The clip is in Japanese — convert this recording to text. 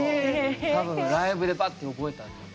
多分ライブでパッて覚えたんだろうな。